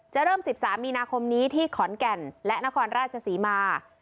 เริ่ม๑๓มีนาคมนี้ที่ขอนแก่นและนครราชศรีมา